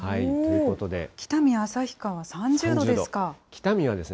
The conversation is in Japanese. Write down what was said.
北見、旭川３０度ですか。